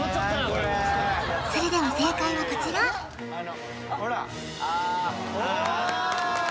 それでは正解はこちら！